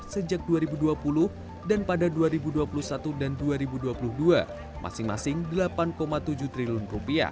sejak dua ribu dua puluh dan pada dua ribu dua puluh satu dan dua ribu dua puluh dua masing masing rp delapan tujuh triliun